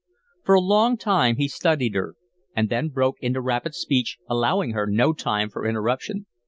For a long time he studied her, and then broke into rapid speech, allowing her no time for interruption.